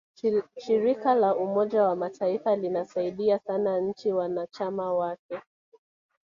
shirika la umoja wa mataifa linasaidia sana nchi wanachama wake